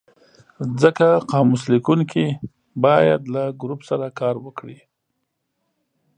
ځکه قاموس لیکونکی باید له ګروپ سره کار وکړي.